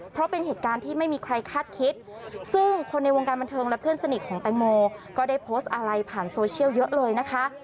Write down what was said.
เพราะเป็นเหตุการณ์ที่ไม่มีใครคาดคิดซึ่งคนในวงการบันเทิงและเพื่อนสนิทของแตงโมก็ได้โพสต์อะไรผ่านโซเชียลเยอะเลยนะคะ